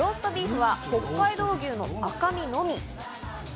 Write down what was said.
ローストビーフは北海道牛の赤身のみ。